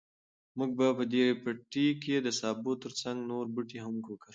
موږ به په دې پټي کې د سابو تر څنګ نور بوټي هم وکرو.